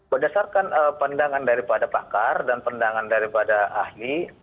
berdasarkan pandangan daripada pakar dan pandangan daripada ahli